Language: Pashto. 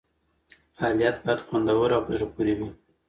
فعالیت باید خوندور او په زړه پورې وي.